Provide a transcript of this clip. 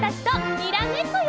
にらめっこするよ！